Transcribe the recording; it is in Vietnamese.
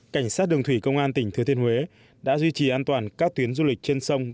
cảnh sát đường thủy công an tỉnh thừa thiên huế đã duy trì an toàn các tuyến du lịch trên sông